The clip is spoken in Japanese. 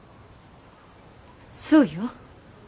そうよ。